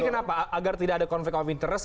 kenapa agar tidak ada konflik of interest